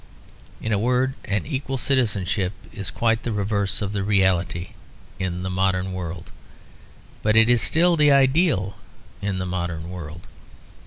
In a word, an equal citizenship is quite the reverse of the reality in the modern world; but it is still the ideal in the modern world.